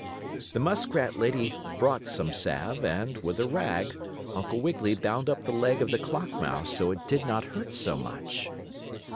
The muskrat lady brought some salve, and, with a rag, Uncle Wiggily bound up the leg of the clock mouse so it did not hurt so much.